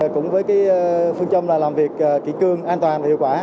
cũng với phương châm là làm việc kỹ cương an toàn và hiệu quả